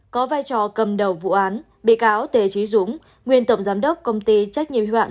có vai trò cầm đầu vụ án bị cáo tề trí dũng nguyên tổng giám đốc công ty trách nhiệm hoạn